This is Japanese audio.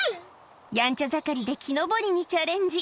やんちゃ盛りで、木登りにチャレンジ。